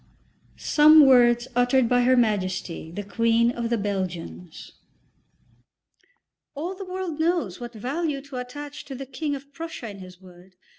XII SOME WORDS UTTERED BY HER MAJESTY, THE QUEEN OF THE BELGIANS "All the world knows what value to attach to the King of Prussia and his word.